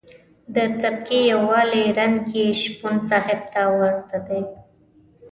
د سبکي یوالي رنګ یې شپون صاحب ته ورته دی.